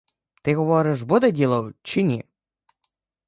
Ти говориш: буде діло, чи ні?